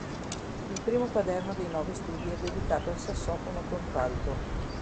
Il primo quaderno dei nove studi è dedicato al sassofono contralto.